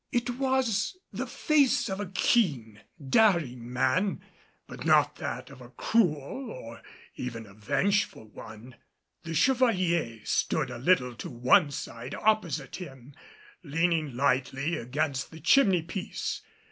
It was the face of a keen, daring man, but not that of a cruel or even a vengeful one. The Chevalier stood a little to one side opposite him, leaning lightly against the chimney piece.